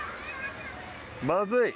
まずい。